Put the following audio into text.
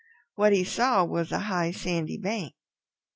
What he saw was a high sandy bank.